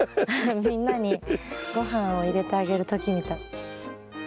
みんなにごはんを入れてあげる時みたい。